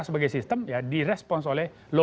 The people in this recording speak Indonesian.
sebagai sistem ya di respons oleh